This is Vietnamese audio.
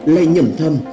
lây nhẩm thầm